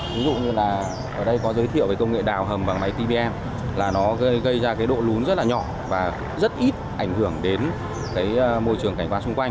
ví dụ như là ở đây có giới thiệu về công nghệ đào hầm bằng máy pvn là nó gây ra cái độ lún rất là nhỏ và rất ít ảnh hưởng đến môi trường cảnh quan xung quanh